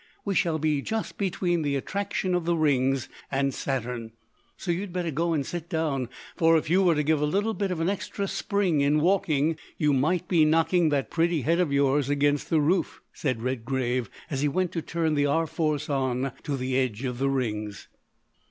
We shall be just between the attraction of the rings and Saturn, so you'd better go and sit down, for if you were to give a bit of an extra spring in walking you might be knocking that pretty head of yours against the roof," said Redgrave, as he went to turn the R. Force on to the edge of the rings.